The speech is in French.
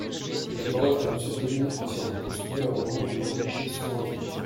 La parole est à Monsieur Dominique Tian, pour soutenir l’amendement numéro deux cent vingt-huit.